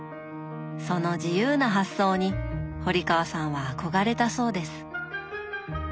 その自由な発想に堀川さんは憧れたそうです